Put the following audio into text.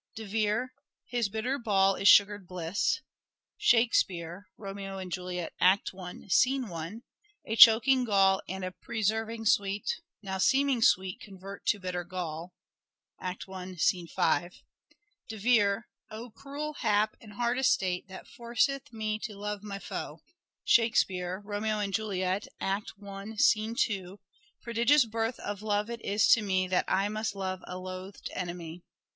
De Vere :" His bitter ball is sugared bliss." Shakespeare (" Romeo and Juliet," I. i) :" A choking gall and a preserving sweet Now seeming sweet convert to bitter gall." (I, 5.) De Vere :'' O cruel hap and hard estate, That forceth me to love my foe." Shakespeare (" Romeo and Juliet," I. 2) :" Prodigious birth of love it is to me That I must love a loathed enemy."